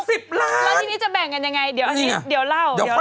ทีนี้จะแบ่งกันยังไงเดี๋ยวเล่า